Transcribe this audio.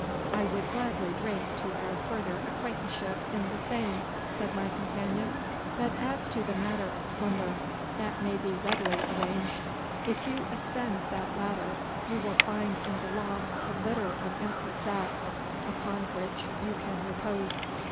'I would gladly drink to our further acquaintanceship in the same,' said my companion, 'but as to the matter of slumber that may be readily arranged. If you ascend that ladder you will find in the loft a litter of empty sacks, upon which you can repose.